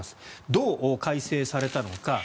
どう改正されたのか。